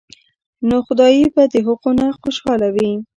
نو خدائے به د هغو نه خوشاله وي ـ